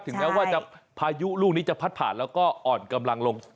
แม้ว่าพายุลูกนี้จะพัดผ่านแล้วก็อ่อนกำลังลง